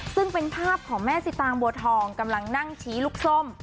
ซึ่งเป็นภาพของแม่สิตางบัวทองกำลังนั่งชี้ลูกส้ม